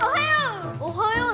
おはよう！